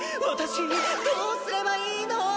私どうすればいいの！